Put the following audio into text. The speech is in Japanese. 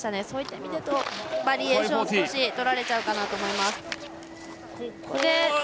そういった意味で言うとバリエーションを少しとられちゃうかなと思います。